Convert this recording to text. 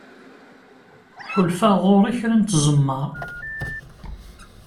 Ḥulfaɣ ɣur-i kra n tzemmar.